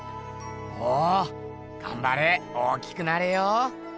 おおがんばれ大きくなれよ！